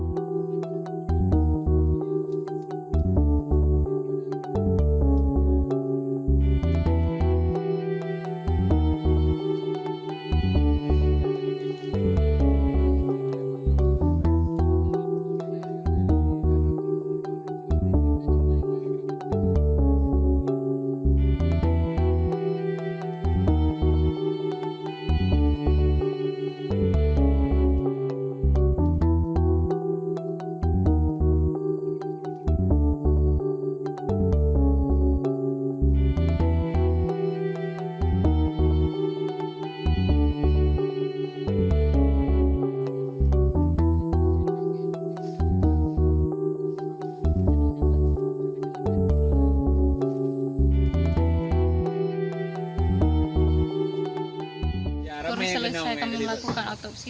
jangan lupa like share dan subscribe channel ini untuk dapat info terbaru dari kami